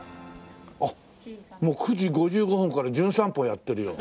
あっもう９時５５分から『じゅん散歩』やってるよ。